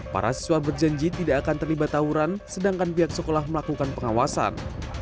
para siswa berjanji tidak akan terlibat tawuran sedangkan pihak sekolah melakukan pengawasan